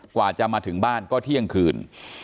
กว่าจะมาถึงบ้านก็เที่ยงคืน